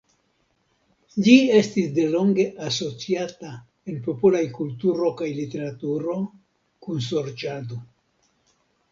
Ĝi estis delonge asociata en popolaj kulturo kaj literaturo kun sorĉado.